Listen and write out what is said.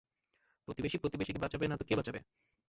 প্রতিবেশী প্রতিবেশীকে বাঁচাবে নাতো কে বাঁচাবে?